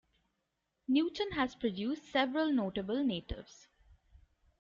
Newton has produced several notable natives.